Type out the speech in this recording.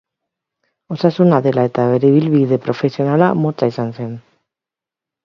Osasuna dela eta bere ibilbide profesionala motza izan zen.